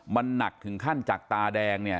มันหนักถึงขั้นจากตาแดง